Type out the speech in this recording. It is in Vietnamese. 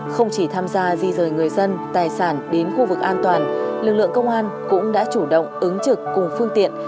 không chỉ tham gia di rời người dân tài sản đến khu vực an toàn lực lượng công an cũng đã chủ động ứng trực cùng phương tiện